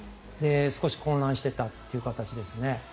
少し混乱していたという形ですね。